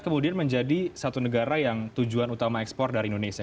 kemudian menjadi satu negara yang tujuan utama ekspor dari indonesia